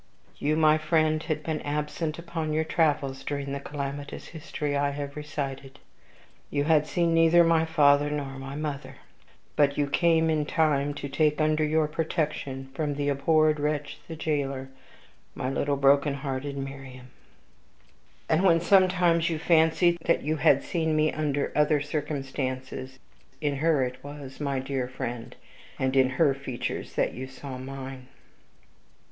You, my friend, had been absent upon your travels during the calamitous history I have recited. You had seen neither my father nor my mother. But you came in time to take under your protection, from the abhorred wretch the jailer, my little broken hearted Mariamne. And when sometimes you fancied that you had seen me under other circumstances, in her it was, my dear friend, and in her features that you saw mine.